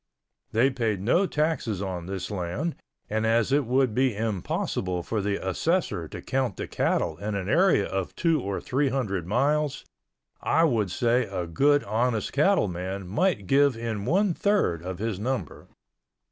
They paid no taxes on this land and as it would be impossible for the assessor to count the cattle in an area of two or three hundred miles, I would say a good honest cattle man might give in one third of his number.